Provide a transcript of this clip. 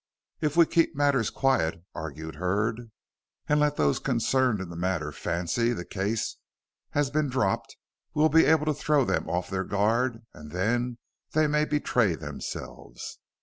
"If we keep matters quiet," argued Hurd, "and let those concerned in the matter fancy the case has been dropped, we'll be able to throw them off their guard, and then they may betray themselves."